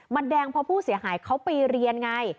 มันแดงเพราะผู้เสียหายเขาไปเรียนไง